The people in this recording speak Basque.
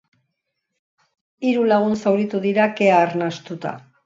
Hiru lagun zauritu dira, kea arnastuta.